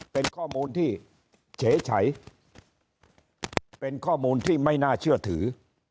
เป็นข้อมูลที่เฉยเป็นข้อมูลที่ไม่น่าเชื่อถือ